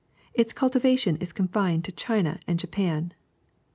Its cultivation is confined to China and Japan.